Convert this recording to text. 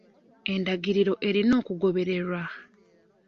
Endagiriro erina okugobererwa.